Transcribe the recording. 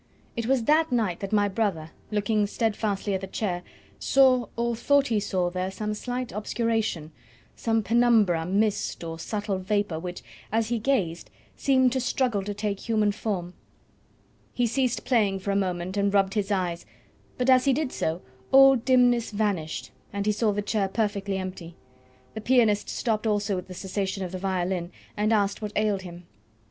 It was that night that my brother, looking steadfastly at the chair, saw, or thought he saw, there some slight obscuration, some penumbra, mist, or subtle vapour which, as he gazed, seemed to struggle to take human form. He ceased playing for a moment and rubbed his eyes, but as he did so all dimness vanished and he saw the chair perfectly empty. The pianist stopped also at the cessation of the violin, and asked what ailed him.